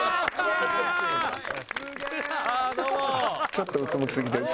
ちょっとうつむきすぎてる。